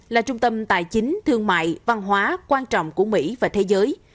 là trung tâm tài chính thương mại văn hóa quan trọng của mỹ và thế giới